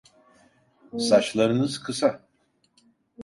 Saçlarınız kısa…